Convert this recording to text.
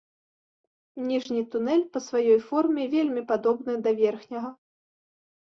Ніжні тунэль па сваёй форме вельмі падобны да верхняга.